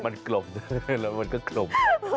มันกลมได้แล้วมันก็กลม